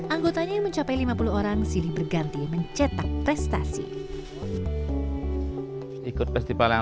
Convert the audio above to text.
anggotanya mencapai lima puluh orang silih berganti mencetak prestasi ikut festival yang